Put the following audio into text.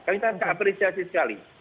kami tak apresiasi sekali